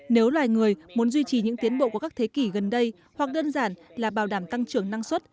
nếu loài người muốn duy trì những tiến bộ của các thế kỷ gần đây hoặc đơn giản là bảo đảm tăng trưởng năng suất